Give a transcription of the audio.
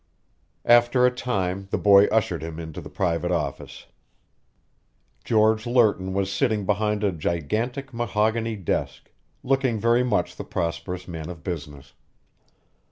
After a time the boy ushered him into the private office. George Lerton was sitting behind a gigantic mahogany desk, looking very much the prosperous man of business.